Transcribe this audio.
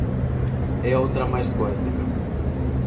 E outra máis poética.